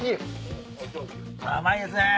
甘いですね！